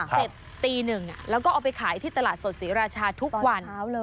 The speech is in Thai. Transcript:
เสร็จตีหนึ่งแล้วก็เอาไปขายที่ตลาดสดศรีราชาทุกวัน